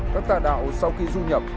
các tà đạo sau khi du nhập